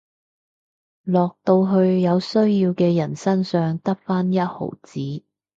落到去有需要嘅人身上得返一毫子